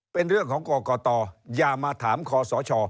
เป็นเรื่องของกรกตอย่ามาถามคอสช